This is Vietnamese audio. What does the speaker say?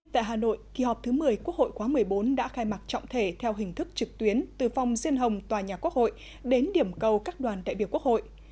tại hà nội kỳ họp thứ một mươi quốc hội khóa một mươi bốn đã khai mạc trọng thể theo hình thức trực tuyến từ phòng diên hồng tòa nhà quốc hội đến điểm cầu các đoàn đại biểu quốc hội